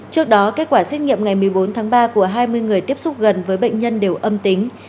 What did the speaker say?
trước đó kết quả xét nghiệm ngày một mươi bốn tháng ba của hai mươi người tiếp xúc gần với bệnh nhân đều âm tính